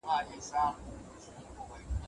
که د کولرا مخنیوي تدابیر ونیول سي، نو وبا نه خپریږي.